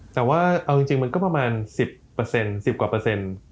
แต่ว่าเอาจริงคือก็ประมาณกว่า๑๐เปอร์เซ็นต์